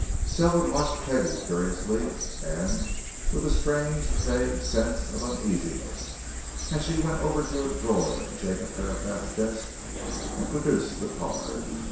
Selwood watched Peggie curiously, and with a strange, vague sense of uneasiness as she went over to a drawer in Jacob Herapath's desk and produced the card.